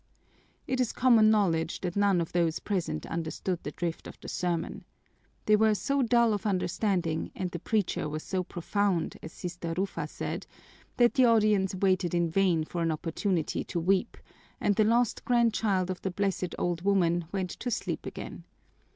It is common knowledge that none of those present understood the drift of the sermon. They were so dull of understanding and the preacher was so profound, as Sister Rufa said, that the audience waited in vain for an opportunity to weep, and the lost grandchild of the blessed old woman went to sleep again.